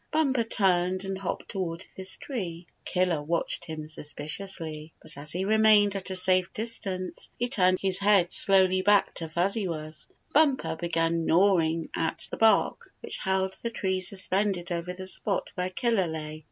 Bumper turned and hopped toward this tree. Killer watched him suspiciously, but as he re mained at a safe distance he turned his head slowly back to Fuzzy Wuzz. Bumper began gnawing at the bark which held the tree sus pended over the spot where Killer lay.